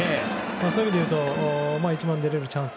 そういう意味でいうと出れるチャンス